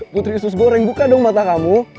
putri sus goreng buka dong mata kamu